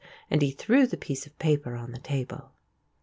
And he threw the piece of paper on the table.